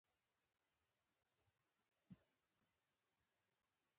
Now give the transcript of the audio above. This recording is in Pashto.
چي یې وکتل تر شا زوی یې کرار ځي